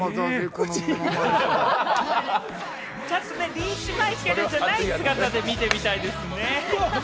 リーチ・マイケルじゃない姿で見てみたいですね。